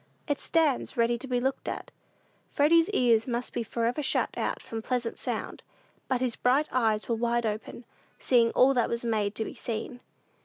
It stands ready to be looked at. Freddy's ears must be forever shut out from pleasant sound; but his bright eyes were wide open, seeing all that was made to be seen.